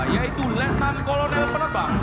yaitu lieutenant kolonel penerbang